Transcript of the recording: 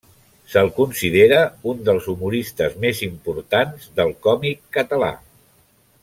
Se'l considera un dels humoristes més importants del còmic català.